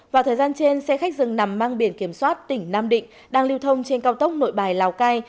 vào thời gian trên xe khách dừng nằm mang biển kiểm soát tỉnh nam định đang lưu thông trên cao tốc nội bài lào cai